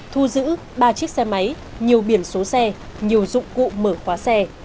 thu giữ ba chiếc xe máy nhiều biển số xe nhiều dụng cụ mở khóa xe